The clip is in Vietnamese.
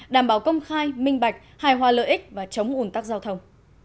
đảm bảo công khai minh bạch hài hòa lợi ích và chống ủn tắc giao thông